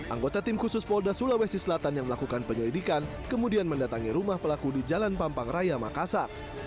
anggota tim khusus polda sulawesi selatan yang melakukan penyelidikan kemudian mendatangi rumah pelaku di jalan pampang raya makassar